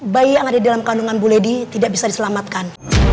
bayi yang ada di dalam kandungan buledi tidak bisa diselamatkan